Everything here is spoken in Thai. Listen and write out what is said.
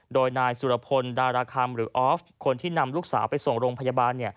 โดยนายสุรพลดาราคำหรือออฟคนที่นำลูกสาวไปส่งโรงพยาบาล